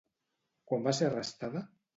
Quan va ser arrestada?